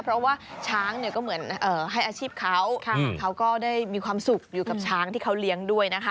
เพราะว่าช้างเนี่ยก็เหมือนให้อาชีพเขาเขาก็ได้มีความสุขอยู่กับช้างที่เขาเลี้ยงด้วยนะคะ